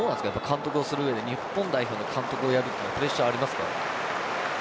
監督をする上で日本代表の監督をやるプレッシャーはありますか？